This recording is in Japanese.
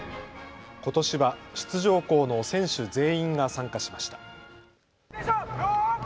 出場校の選手全員が参加しました。